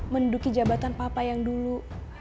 menduki jabatan papa yang dulu